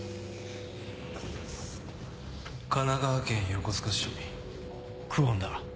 神奈川県横須賀市久遠だ。